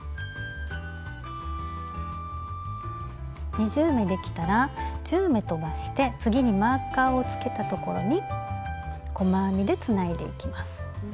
２０目できたら１０目とばして次にマーカーをつけたところに細編みでつないでいきます。